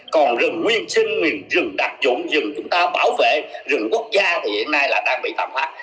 còn rừng nguyên sinh miền rừng đặc dụng rừng chúng ta bảo vệ rừng quốc gia thì hiện nay là đang bị tạm phát